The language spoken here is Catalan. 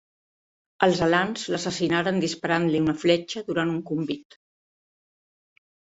Els alans l'assassinaren disparant-li una fletxa durant un convit.